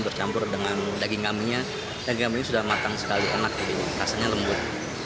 bercampur dengan daging kambingnya daging kambingnya sudah matang sekali enak rasanya lembut